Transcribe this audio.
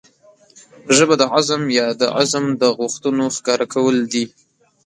ژبه د عزم يا د عزم د غوښتنو ښکاره کول دي.